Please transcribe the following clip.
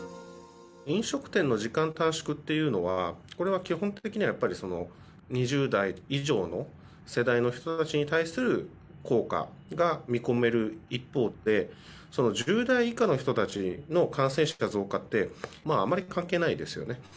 飲食店の時間短縮っていうのは、これは基本的にやっぱり２０代以上の世代の人たちに対する効果が見込める一方で、その１０代以下の人たちの感染者の増加って、あまり関係ないですよね。